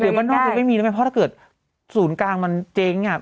เดี๋ยวบ้านนอกจะไม่มีแล้วไหมเพราะถ้าเกิดศูนย์กลางมันเจ๊งอ่ะ